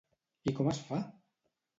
I com es fa?